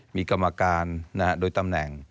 มีกรรมการโดยตำแหน่ง